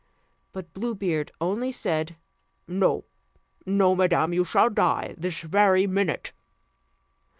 But Blue Beard only said, "No, no, madam; you shall die this very minute!"